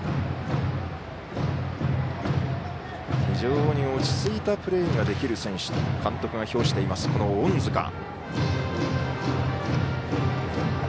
非常に落ち着いたプレーができる選手と監督が評しています、隠塚。